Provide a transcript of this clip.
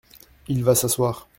Il va s’asseoir.